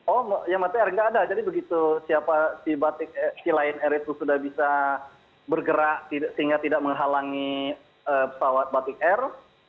oh yang mati air nggak ada jadi begitu siapa si lion air itu sudah bisa bergerak sehingga tidak menghalangi pesawat batik air